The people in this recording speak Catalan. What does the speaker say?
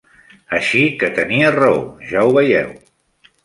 Així que tenia raó, ja ho veieu!